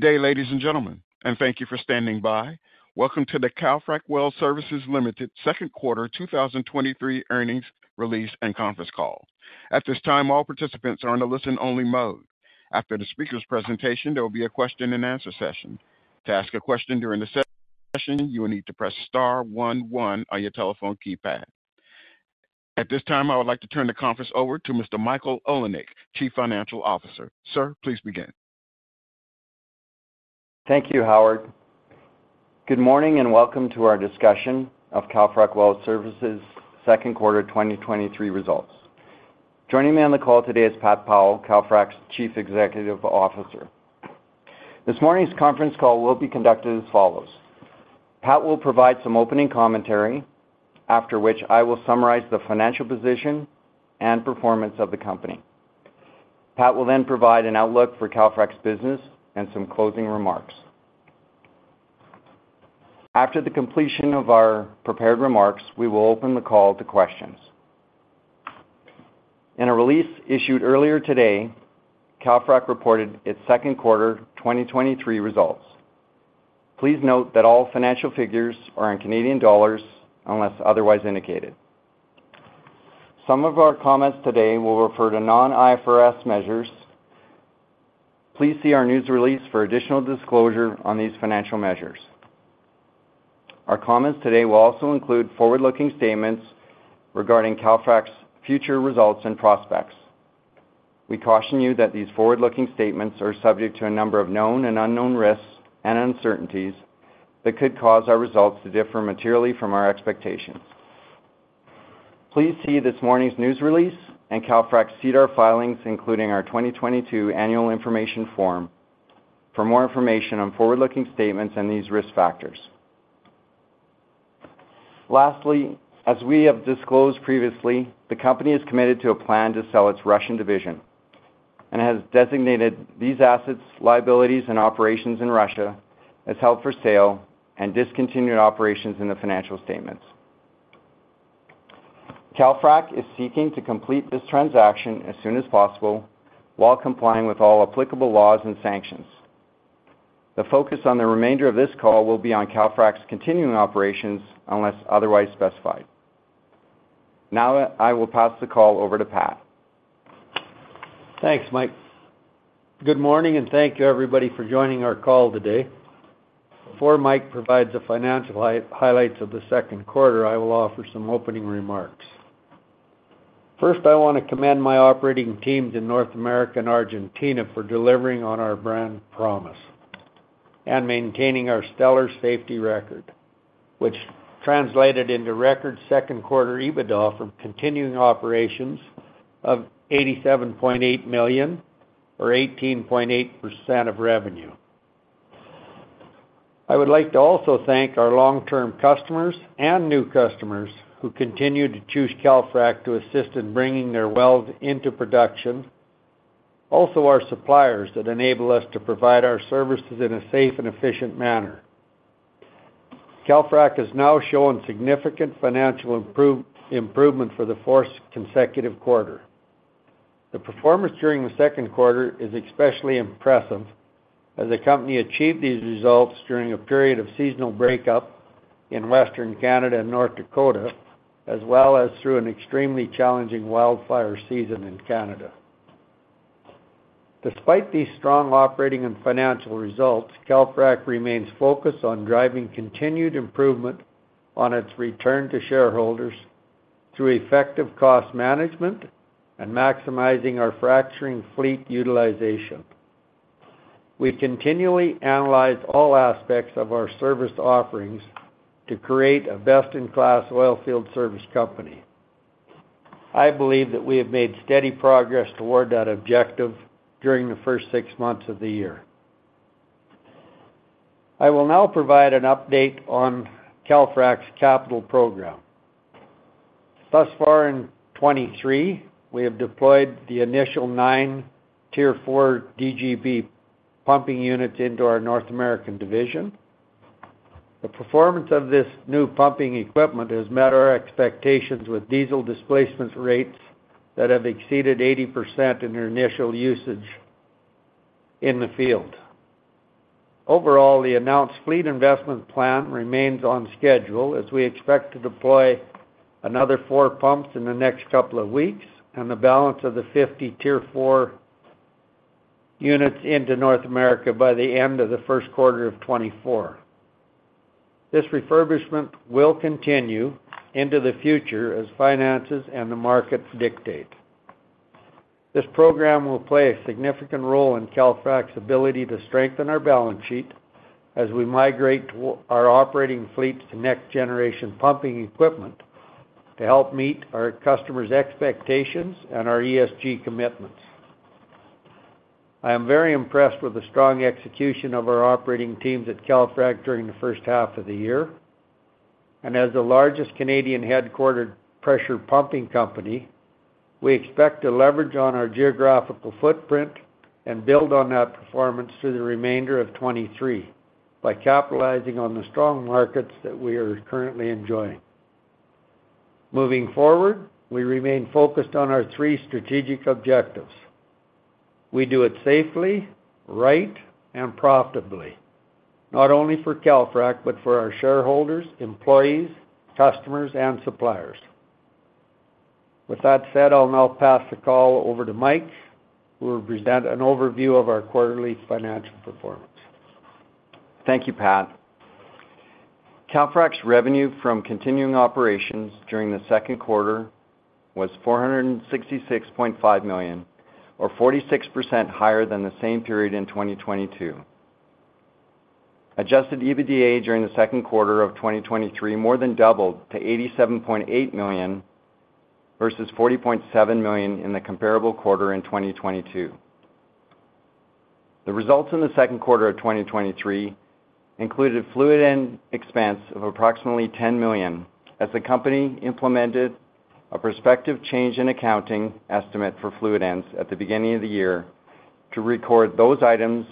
Good day, ladies and gentlemen, and thank you for standing by. Welcome to the Calfrac Well Services Limited Second Quarter 2023 Earnings Release and Conference Call. At this time, all participants are in a listen-only mode. After the speaker's presentation, there will be a question-and-answer session. To ask a question during the session, you will need to press star one one on your telephone keypad. At this time, I would like to turn the conference over to Mr. Michael Olinek, Chief Financial Officer. Sir, please begin. Thank you, Howard. Good morning, welcome to our discussion of Calfrac Well Services' second quarter 2023 results. Joining me on the call today is Pat Powell, Calfrac's Chief Executive Officer. This morning's conference call will be conducted as follows: Pat will provide some opening commentary, after which I will summarize the financial position and performance of the company. Pat will provide an outlook for Calfrac's business and some closing remarks. After the completion of our prepared remarks, we will open the call to questions. In a release issued earlier today, Calfrac reported its second quarter 2023 results. Please note that all financial figures are in Canadian dollars, unless otherwise indicated. Some of our comments today will refer to non-IFRS measures. Please see our news release for additional disclosure on these financial measures. Our comments today will also include forward-looking statements regarding Calfrac's future results and prospects. We caution you that these forward-looking statements are subject to a number of known and unknown risks and uncertainties that could cause our results to differ materially from our expectations. Please see this morning's news release and Calfrac's SEDAR filings, including our 2022 Annual Information Form, for more information on forward-looking statements and these risk factors. Lastly, as we have disclosed previously, the company is committed to a plan to sell its Russian division and has designated these assets, liabilities, and operations in Russia as held for sale and discontinued operations in the financial statements. Calfrac is seeking to complete this transaction as soon as possible while complying with all applicable laws and sanctions. The focus on the remainder of this call will be on Calfrac's continuing operations, unless otherwise specified. Now, I will pass the call over to Pat. Thanks, Mike. Good morning, thank you, everybody, for joining our call today. Before Mike provides the financial highlights of the second quarter, I will offer some opening remarks. First, I want to commend my operating teams in North America and Argentina for delivering on our brand promise and maintaining our stellar safety record, which translated into record second quarter EBITDA from continuing operations of $87.8 million, or 18.8% of revenue. I would like to also thank our long-term customers and new customers who continue to choose Calfrac to assist in bringing their wells into production. Our suppliers that enable us to provide our services in a safe and efficient manner. Calfrac is now showing significant financial improvement for the fourth consecutive quarter. The performance during the second quarter is especially impressive, as the company achieved these results during a period of seasonal breakup in Western Canada and North Dakota, as well as through an extremely challenging wildfire season in Canada. Despite these strong operating and financial results, Calfrac remains focused on driving continued improvement on its return to shareholders through effective cost management and maximizing our fracturing fleet utilization. We continually analyze all aspects of our service offerings to create a best-in-class oil field service company. I believe that we have made steady progress toward that objective during the first six months of the year. I will now provide an update on Calfrac's capital program. Thus far in 2023, we have deployed the initial nine Tier 4 DGB pumping units into our North American division. The performance of this new pumping equipment has met our expectations, with diesel displacement rates that have exceeded 80% in their initial usage in the field. Overall, the announced fleet investment plan remains on schedule, as we expect to deploy another four pumps in the next couple of weeks and the balance of the 50 Tier 4 units into North America by the end of the first quarter of 2024. This refurbishment will continue into the future as finances and the markets dictate. This program will play a significant role in Calfrac's ability to strengthen our balance sheet as we migrate to our operating fleets to next-generation pumping equipment to help meet our customers' expectations and our ESG commitments. I am very impressed with the strong execution of our operating teams at Calfrac during the first half of the year. As the largest Canadian headquartered pressure pumping company, we expect to leverage on our geographical footprint and build on that performance through the remainder of 2023 by capitalizing on the strong markets that we are currently enjoying. Moving forward, we remain focused on our three strategic objectives. We do it safely, right, and profitably, not only for Calfrac, but for our shareholders, employees, customers, and suppliers. With that said, I'll now pass the call over to Mike, who will present an overview of our quarterly financial performance. Thank you, Pat. Calfrac's revenue from continuing operations during the second quarter was $466.5 million, or 46% higher than the same period in 2022. Adjusted EBITDA during the second quarter of 2023 more than doubled to $87.8 million, versus $40.7 million in the comparable quarter in 2022. The results in the second quarter of 2023 included fluid end expense of approximately $10 million, as the company implemented a prospective change in accounting estimate for fluid ends at the beginning of the year to record those items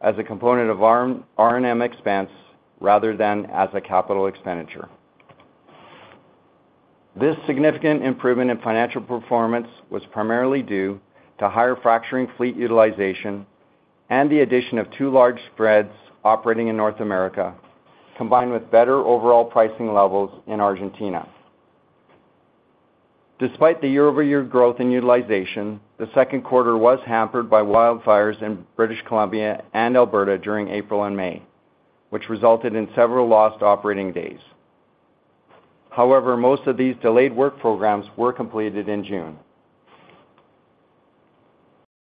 as a component of R&M expense rather than as a capital expenditure. This significant improvement in financial performance was primarily due to higher fracturing fleet utilization and the addition of two large spreads operating in North America, combined with better overall pricing levels in Argentina. Despite the year-over-year growth in utilization, the second quarter was hampered by wildfires in British Columbia and Alberta during April and May, which resulted in several lost operating days. Most of these delayed work programs were completed in June.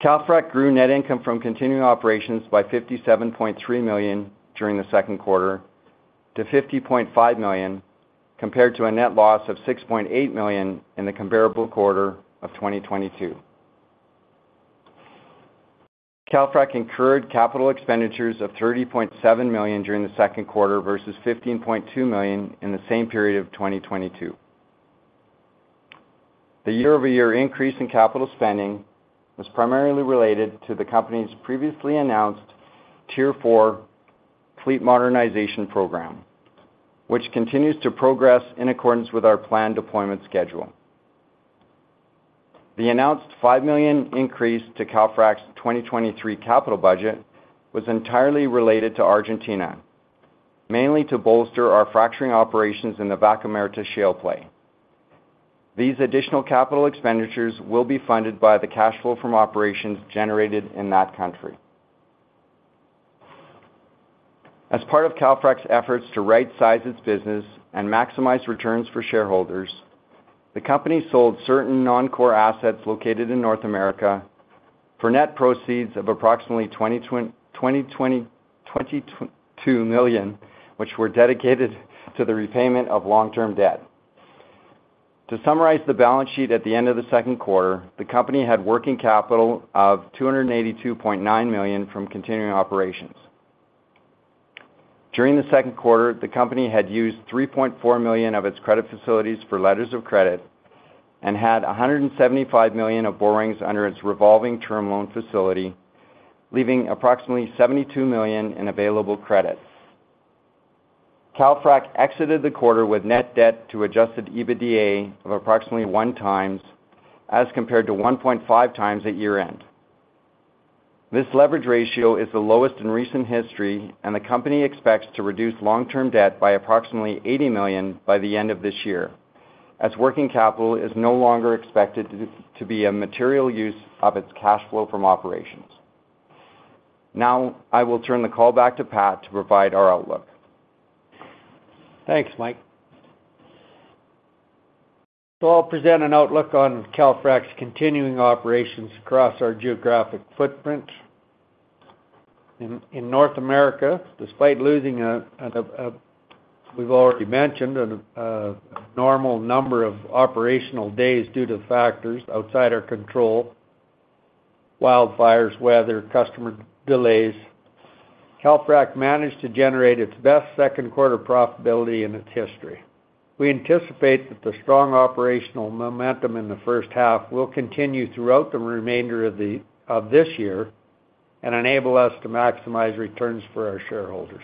Calfrac grew net income from continuing operations by $57.3 million during the second quarter to $50.5 million, compared to a net loss of $6.8 million in the comparable quarter of 2022. Calfrac incurred capital expenditures of $30.7 million during the second quarter, versus $15.2 million in the same period of 2022. The year-over-year increase in capital spending was primarily related to the company's previously announced Tier 4 fleet modernization program, which continues to progress in accordance with our planned deployment schedule. The announced $5 million increase to Calfrac's 2023 capital budget was entirely related to Argentina, mainly to bolster our fracturing operations in the Vaca Muerta Shale Play. These additional capital expenditures will be funded by the cash flow from operations generated in that country. As part of Calfrac's efforts to rightsize its business and maximize returns for shareholders, the company sold certain non-core assets located in North America for net proceeds of approximately $22 million, which were dedicated to the repayment of long-term debt. To summarize the balance sheet at the end of the second quarter, the company had working capital of $282.9 million from continuing operations. During the second quarter, the company had used $3.4 million of its credit facilities for letters of credit and had $175 million of borrowings under its revolving term loan facility, leaving approximately $72 million in available credits. Calfrac exited the quarter with net debt to adjusted EBITDA of approximately 1x, as compared to 1.5x at year-end. This leverage ratio is the lowest in recent history, and the company expects to reduce long-term debt by approximately $80 million by the end of this year, as working capital is no longer expected to be a material use of its cash flow from operations. I will turn the call back to Pat to provide our outlook. Thanks, Mike. I'll present an outlook on Calfrac's continuing operations across our geographic footprint. In North America, despite losing a normal number of operational days due to factors outside our control, wildfires, weather, customer delays, Calfrac managed to generate its best second quarter profitability in its history. We anticipate that the strong operational momentum in the first half will continue throughout the remainder of this year and enable us to maximize returns for our shareholders.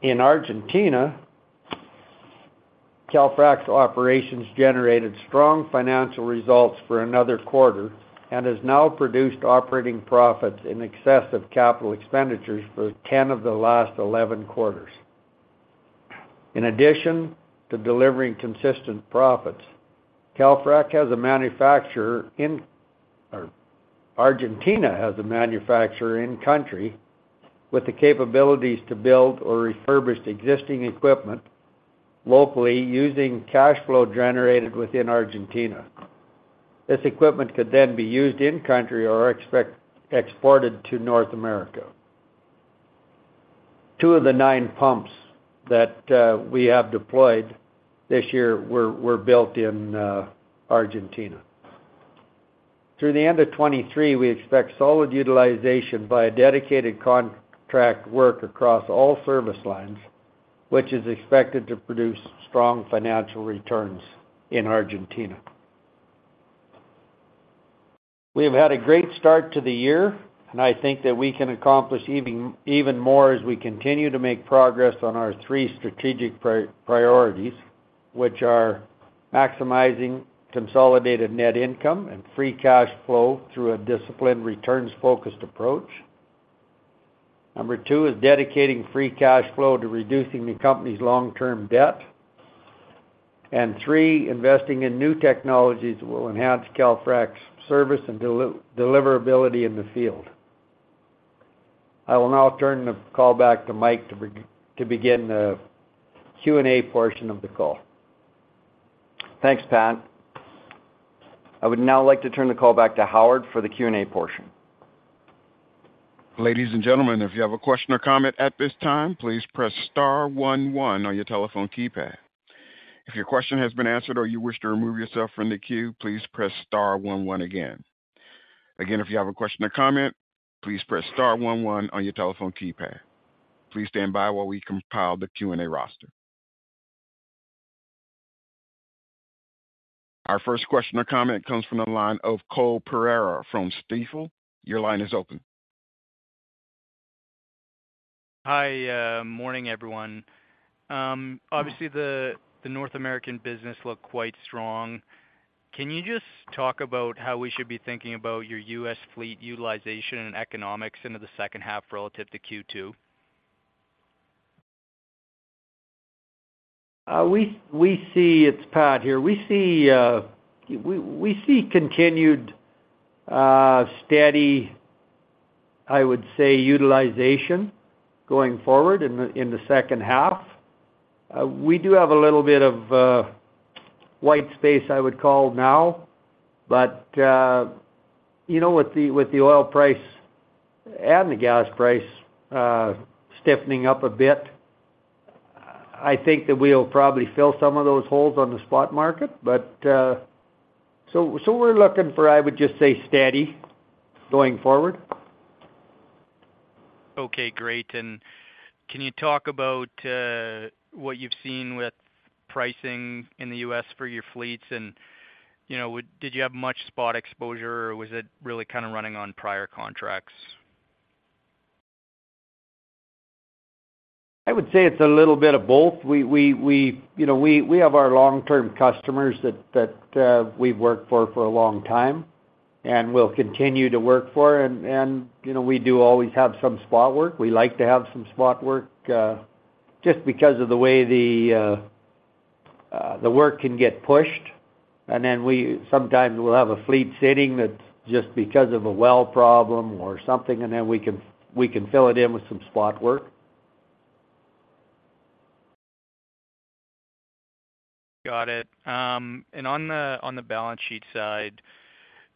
In Argentina, Calfrac's operations generated strong financial results for another quarter and has now produced operating profits in excess of capital expenditures for 10 of the last 11 quarters. In addition to delivering consistent profits, Argentina has a manufacturer in-country with the capabilities to build or refurbish the existing equipment locally, using cash flow generated within Argentina. This equipment could be used in-country or exported to North America. Two of the nine pumps that we have deployed this year were built in Argentina. Through the end of 2023, we expect solid utilization by a dedicated contract work across all service lines, which is expected to produce strong financial returns in Argentina. We've had a great start to the year, I think that we can accomplish even more as we continue to make progress on our 3 strategic priorities, which are maximizing consolidated net income and free cash flow through a disciplined, returns-focused approach. Number 2 is dedicating free cash flow to reducing the company's long-term debt. 3, investing in new technologies will enhance Calfrac's service and deliverability in the field. I will now turn the call back to Mike to begin the Q&A portion of the call. Thanks, Pat. I would now like to turn the call back to Howard for the Q&A portion. Ladies and gentlemen, if you have a question or comment at this time, please press star one one on your telephone keypad. If your question has been answered or you wish to remove yourself from the queue, please press star one one again. Again, if you have a question or comment, please press star one one on your telephone keypad. Please stand by while we compile the Q&A roster. Our first question or comment comes from the line of Cole Pereira from Stifel. Your line is open. Hi, morning, everyone. Obviously, the, the North American business looked quite strong. Can you just talk about how we should be thinking about your US fleet utilization and economics into the second half relative to Q2? We, we see. It's Pat here. We see, we see continued, steady, I would say, utilization going forward in the second half. We do have a little bit of white space, I would call now, but, you know, with the oil price and the gas price, stiffening up a bit, I think that we'll probably fill some of those holes on the spot market. We're looking for, I would just say, steady going forward. Okay, great. Can you talk about what you've seen with pricing in the U.S. for your fleets? You know, did you have much spot exposure, or was it really kind of running on prior contracts? I would say it's a little bit of both. We, you know, we have our long-term customers that we've worked for for a long time and will continue to work for. You know, we do always have some spot work. We like to have some spot work, just because of the way the work can get pushed. Then sometimes we'll have a fleet sitting that's just because of a well problem or something, and then we can fill it in with some spot work. Got it. On the, on the balance sheet side,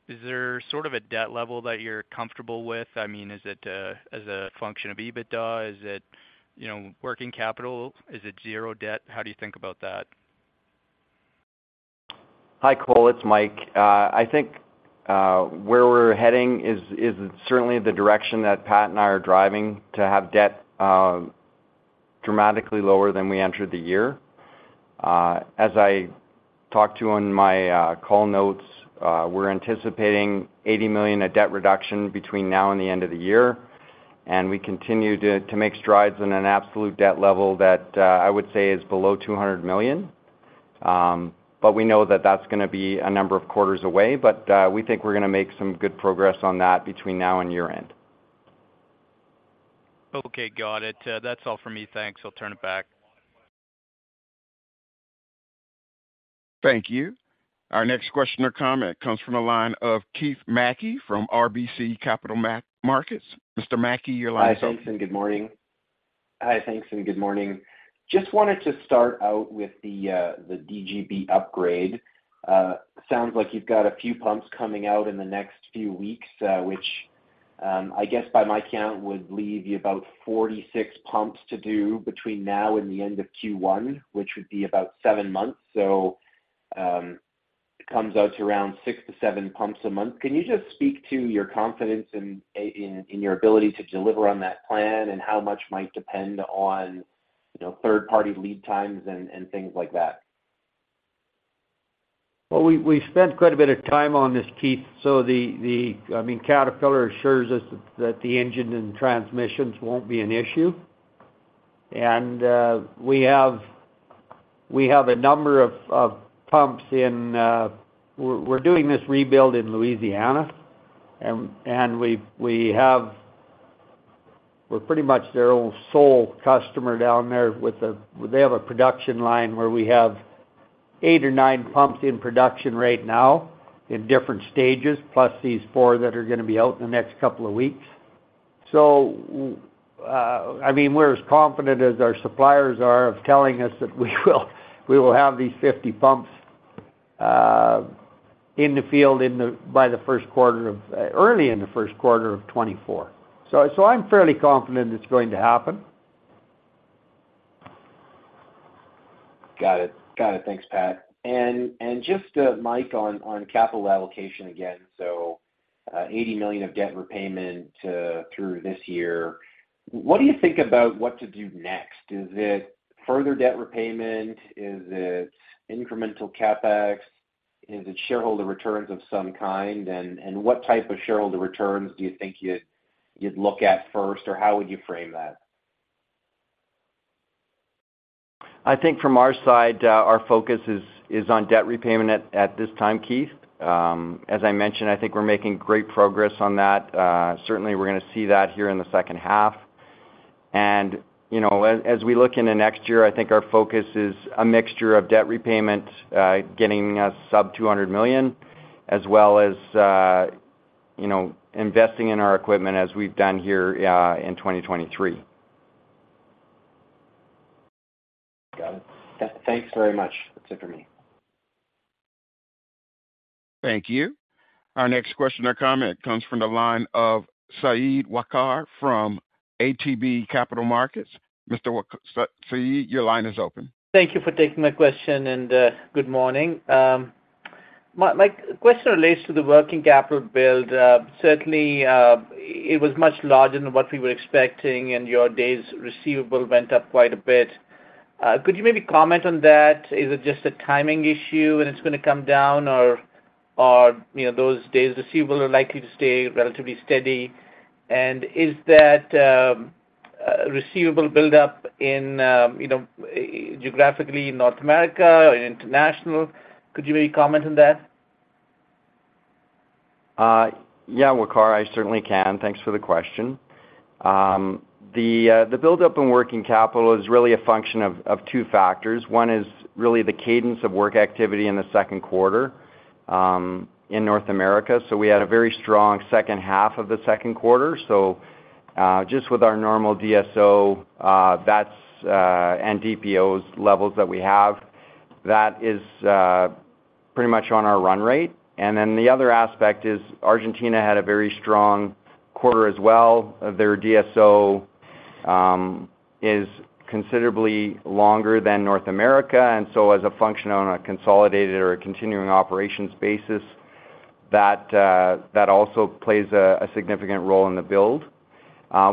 is there sort of a debt level that you're comfortable with? I mean, is it as a function of EBITDA? Is it, you know, working capital? Is it zero debt? How do you think about that? Hi, Cole, it's Mike. I think where we're heading is, is certainly the direction that Pat and I are driving to have debt dramatically lower than we entered the year. As I talked to on my call notes, we're anticipating $80 million of debt reduction between now and the end of the year, and we continue to, to make strides in an absolute debt level that I would say is below $200 million. We know that that's gonna be a number of quarters away, but we think we're gonna make some good progress on that between now and year-end. Okay, got it. That's all for me. Thanks. I'll turn it back. Thank you. Our next question or comment comes from the line of Keith Mackey from RBC Capital Markets. Mr. Mackey, your line is open. Hi, thanks, and good morning. Hi, thanks, and good morning. Just wanted to start out with the DGB upgrade. Sounds like you've got a few pumps coming out in the next few weeks, which, I guess by my count, would leave you about 46 pumps to do between now and the end of Q1, which would be about seven months. It comes out to around six to seven pumps a month. Can you just speak to your confidence in, in, in your ability to deliver on that plan, and how much might depend on, you know, third-party lead times and, and things like that? Well, we spent quite a bit of time on this, Keith. The, I mean, Caterpillar assures us that the engine and transmissions won't be an issue. We have a number of pumps in. We're doing this rebuild in Louisiana, and we're pretty much their own sole customer down there with a, they have a production line where we have 8 or 9 pumps in production right now in different stages, plus these 4 that are gonna be out in the next couple of weeks. I mean, we're as confident as our suppliers are of telling us that we will have these 50 pumps in the field, by the first quarter of early in the first quarter of 2024. I'm fairly confident it's going to happen. Got it. Got it. Thanks, Pat Powell. Just, Michael Olinek, on, on capital allocation again. $80 million of debt repayment through this year. What do you think about what to do next? Is it...... further debt repayment? Is it incremental CapEx? Is it shareholder returns of some kind? And what type of shareholder returns do you think you'd look at first or how would you frame that? I think from our side, our focus is, is on debt repayment at, at this time, Keith. As I mentioned, I think we're making great progress on that. Certainly, we're gonna see that here in the second half. You know, as, as we look into next year, I think our focus is a mixture of debt repayment, getting us sub 200 million, as well as, you know, investing in our equipment as we've done here, in 2023. Got it. Thanks very much. That's it for me. Thank you. Our next question or comment comes from the line of Waqar Syed from ATB Capital Markets. Mr. Syed, your line is open. Thank you for taking my question. Good morning. My question relates to the working capital build. Certainly, it was much larger than what we were expecting, and your days' receivable went up quite a bit. Could you maybe comment on that? Is it just a timing issue, and it's gonna come down, or, you know, those days receivable are likely to stay relatively steady? Is that, you know, geographically in North America, in international? Could you maybe comment on that? Yeah, Waqar, I certainly can. Thanks for the question. The buildup in working capital is really a function of two factors. One is really the cadence of work activity in the second quarter in North America. We had a very strong second half of the second quarter. Just with our normal DSO, that's, and DPO levels that we have, that is pretty much on our run rate. Then the other aspect is Argentina had a very strong quarter as well. Their DSO is considerably longer than North America, and so as a function on a consolidated or a continuing operations basis, that also plays a significant role in the build.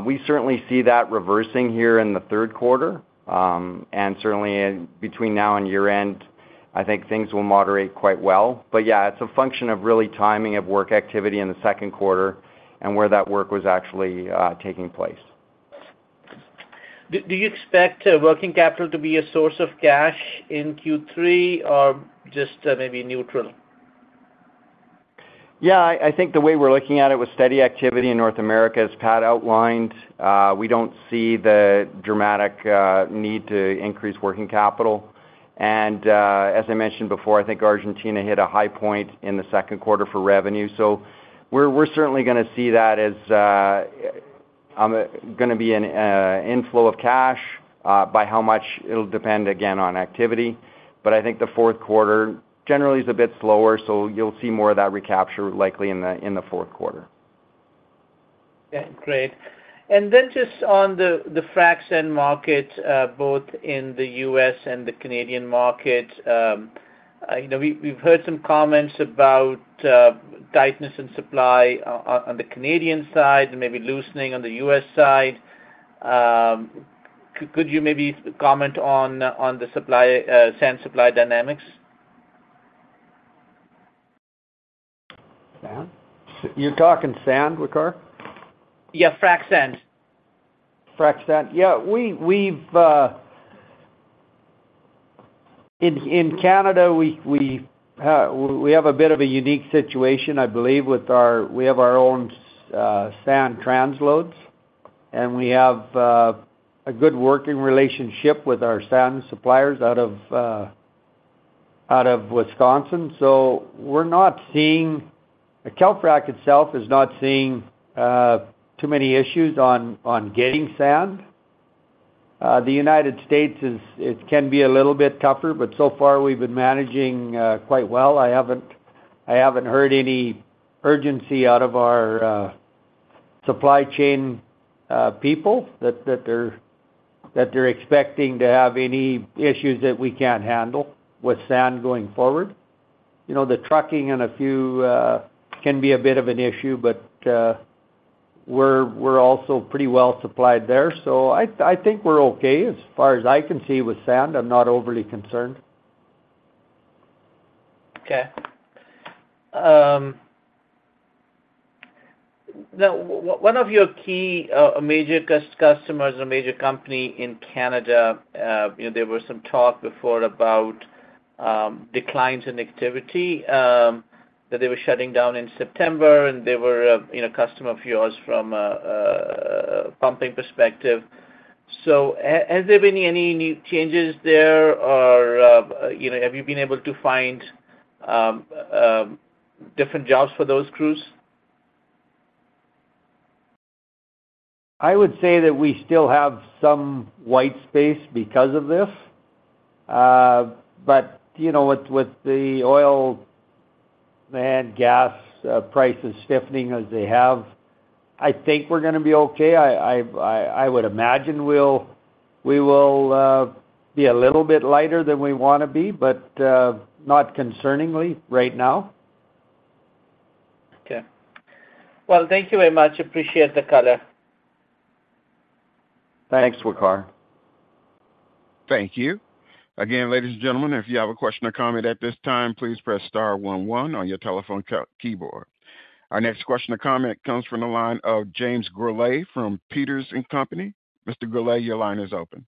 We certainly see that reversing here in the third quarter. Certainly in between now and year-end, I think things will moderate quite well. Yeah, it's a function of really timing of work activity in the second quarter and where that work was actually taking place. Do, do you expect working capital to be a source of cash in Q3 or just maybe neutral? Yeah, I, I think the way we're looking at it, with steady activity in North America, as Pat outlined, we don't see the dramatic need to increase working capital. As I mentioned before, I think Argentina hit a high point in the second quarter for revenue, so we're, we're certainly gonna see that as gonna be an inflow of cash. By how much, it'll depend again on activity. I think the fourth quarter generally is a bit slower, so you'll see more of that recapture likely in the fourth quarter. Yeah, great. Then just on the frac sand market, both in the U.S. and the Canadian market, you know, we've heard some comments about tightness in supply on the Canadian side and maybe loosening on the U.S. side. Could you maybe comment on the supply, sand supply dynamics? Sand? You're talking sand, Waqar? Yeah, frac sand. Frac sand. Yeah, we, we've. In Canada, we, we have a bit of a unique situation, I believe, with our. We have our own sand transloads, and we have a good working relationship with our sand suppliers out of Wisconsin. We're not seeing-- Calfrac itself is not seeing too many issues on, on getting sand. The United States is, it can be a little bit tougher, but so far we've been managing quite well. I haven't, I haven't heard any urgency out of our supply chain people that, that they're, that they're expecting to have any issues that we can't handle with sand going forward. You know, the trucking and a few can be a bit of an issue, but we're, we're also pretty well supplied there. I think we're okay as far as I can see with sand. I'm not overly concerned. Okay. Now, one of your key, major customers, a major company in Canada, you know, there was some talk before about declines in activity, that they were shutting down in September, and they were, you know, a customer of yours from pumping perspective. Has there been any changes there? Or, you know, have you been able to find different jobs for those crews? I would say that we still have some white space because of this. You know, with, with the oil and gas, prices stiffening as they have, I think we're gonna be okay. I would imagine we'll, we will, be a little bit lighter than we wanna be, but, not concerningly right now. Okay. Well, thank you very much. Appreciate the color. Thanks, Waqar. Thank you. Again, ladies and gentlemen, if you have a question or comment at this time, please press star one one on your telephone keyboard. Our next question or comment comes from the line of James Gourlay from Peters and Company. Mr. Gourlay, your line is open.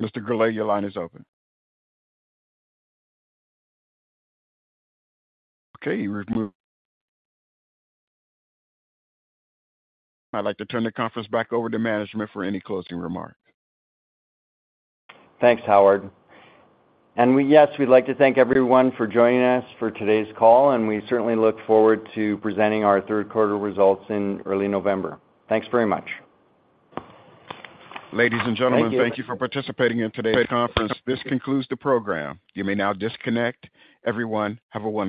Mr. Gourlay, your line is open. I'd like to turn the conference back over to management for any closing remarks. Thanks, Howard. Yes, we'd like to thank everyone for joining us for today's call, and we certainly look forward to presenting our third quarter results in early November. Thanks very much. Ladies and gentlemen, Thank you. Thank you for participating in today's conference. This concludes the program. You may now disconnect. Everyone, have a wonderful day.